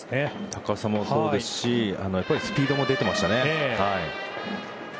高さもそうですしスピードも出てましたね。